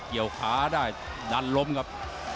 เขียวคล้าได้ดันลมครับ